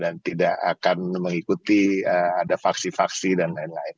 dan tidak akan mengikuti ada vaksi vaksi dan lain lain